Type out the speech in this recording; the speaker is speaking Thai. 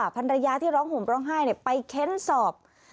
ภรรยาที่ร้องห่มร้องไห้ไปเค้นสอบ